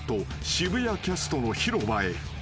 渋谷キャストの広場へ］